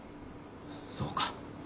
そうか。